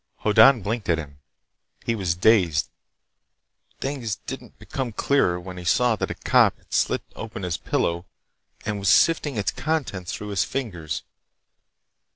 Hoddan blinked at him. He was dazed. Things didn't become clearer when he saw that a cop had slit open his pillow and was sifting its contents through his fingers.